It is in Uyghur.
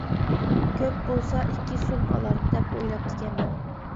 كۆپ بولسا ئىككى سوم ئالار، دەپ ئويلاپتىكەنمەن.